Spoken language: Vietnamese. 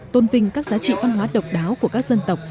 tôn vinh các giá trị văn hóa độc đáo của các dân tộc